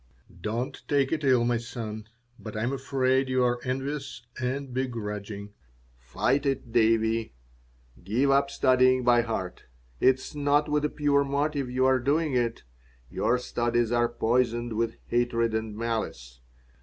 "Don't take it ill, my son, but I am afraid you are envious and begrudging. Fight it, Davie. Give up studying by heart. It is not with a pure motive you are doing it. Your studies are poisoned with hatred and malice.